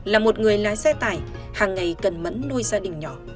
là một người lái xe tải hàng ngày cần mẫn nuôi gia đình nhỏ